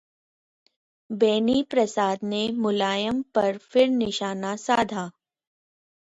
बेनी प्रसाद ने मुलायम पर फिर निशाना साधा